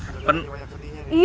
lebih banyak sedihnya